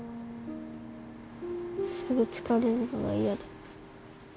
すぐ疲れるのが嫌だ。